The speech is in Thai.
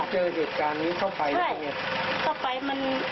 เจอเหตุการณ์นี้เท่าไหร่ใช่เท่าไหร่มัน